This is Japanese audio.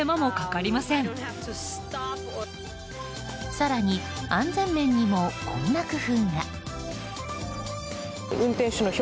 更に、安全面にもこんな工夫が。